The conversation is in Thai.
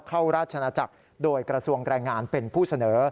ราชนาจักรโดยกระทรวงแรงงานเป็นผู้เสนอ